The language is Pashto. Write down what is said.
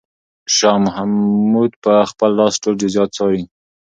شاه محمود په خپله لاس ټول جزئیات څاري.